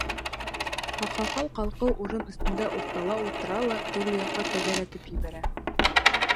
Аҡһаҡал ҡалҡыу урын өҫтөндә уртала ултыра ла төрлө яҡҡа тәгәрәтеп ебәрә.